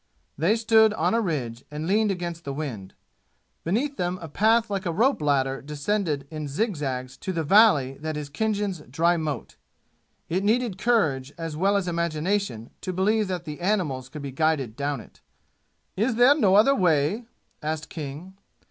They stood on a ridge and leaned against the wind. Beneath them a path like a rope ladder descended in zigzags to the valley that is Khinjan's dry moat; it needed courage as well as imagination to believe that the animals could be guided down it. "Is there no other way?" asked King.